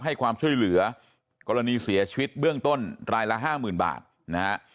ให้ความช่วยเหลือกรณีเสียชีวิตเบื้องต้นรายละ๕๐๐๐๐บาทนะครับ